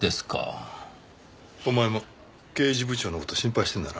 お前も刑事部長の事心配してんだな。